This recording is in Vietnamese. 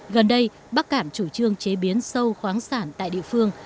gần đây bắc cản chủ trương chế biến sâu khoáng sản tại địa phương